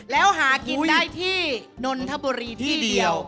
แล้วหากินได้ที่นนทบุรีที่เดียว